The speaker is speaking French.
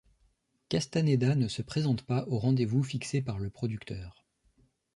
Castaneda ne se présente pas au rendez-vous fixé par le producteur.